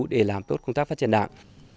để làm tốt công tác phát triển đảng